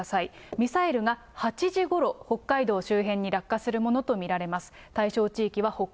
ミサイルが８時ごろ北海道周辺に落下するものと見られます。